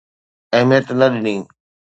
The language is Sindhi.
اهميت نه ڏني.